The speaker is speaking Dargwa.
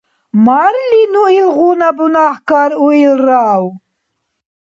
Марли, ну илгъуна бунагькар уилрав?